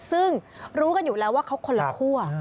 ซึ่งรู้กันอยู่แล้วว่าเขาคนละคั่ว